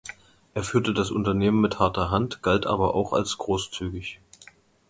Er führte das Unternehmen „mit harter Hand“, galt aber auch als „großzügig“.